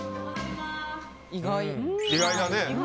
意外だね。